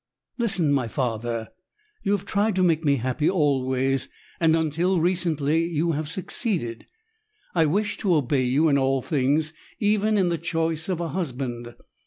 "Listen, my father, you have tried to make me happy always and until recently you have succeeded. I wish to obey you in all things, even in the choice of a husband.